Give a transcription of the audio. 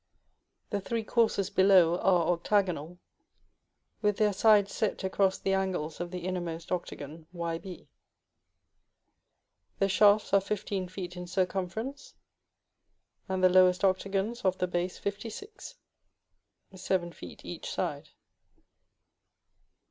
The three courses below are octagonal, with their sides set across the angles of the innermost octagon, Yb. The shafts are 15 feet in circumference, and the lowest octagons of the base 56 (7 feet each side).